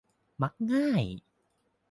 มักง่าย